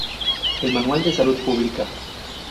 El manual de salud pública.